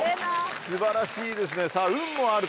素晴らしいですねさぁ。